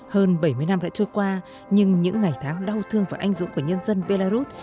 hơn bảy mươi năm đã trôi qua nhưng những ngày tháng đau thương và anh dũng của nhân dân belarus